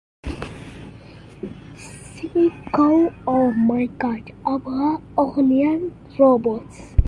The lunar crater Piccolomini is named after him.